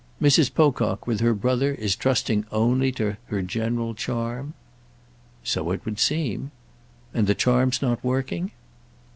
"Mrs. Pocock, with her brother, is trusting only to her general charm?" "So it would seem." "And the charm's not working?"